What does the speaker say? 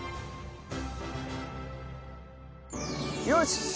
よし！